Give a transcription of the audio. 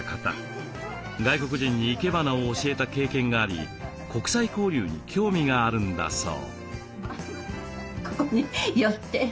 外国人に生け花を教えた経験があり国際交流に興味があるんだそう。